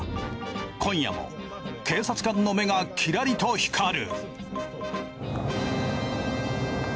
今夜も警察官の目がきらりと光る。